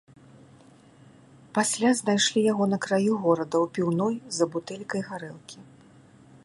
Пасля знайшлі яго на краю горада ў піўной за бутэлькай гарэлкі.